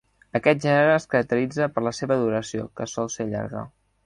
Aquest gènere es caracteritza per la seva duració, que sol ser llarga.